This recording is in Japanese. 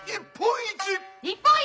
日本一！